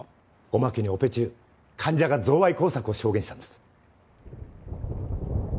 おまけにオペ中患者が贈賄工作を証言したんです。